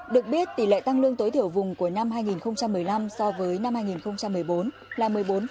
được biết tỷ lệ tăng lương tối thiểu vùng của năm hai nghìn một mươi năm so với năm hai nghìn một mươi bốn là một mươi bốn năm